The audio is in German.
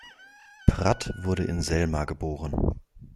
Pratt wurde in Selma geboren.